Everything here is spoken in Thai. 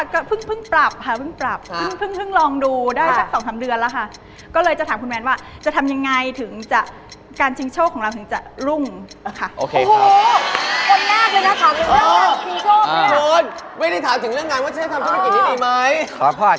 คาแรคเตอร์คุณไม่น่าส่งชิงโชคเลยค่ะ